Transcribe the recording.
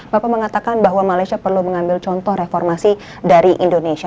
bapak mengatakan bahwa malaysia perlu mengambil contoh reformasi dari indonesia